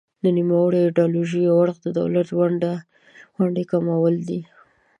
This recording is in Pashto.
د نوموړې ایډیالوژۍ یو اړخ د دولت د ونډې کمول دي.